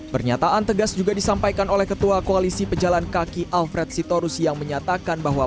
pernyataan tegas juga disampaikan oleh ketua koalisi pejalan kaki alfred sitorus yang menyatakan bahwa